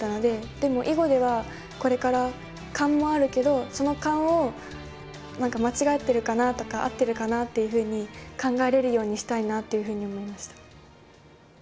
でも囲碁ではこれから「勘」もあるけどその「勘」を何か間違ってるかなとか合ってるかなっていうふうに考えれるようにしたいなっていうふうに思いました。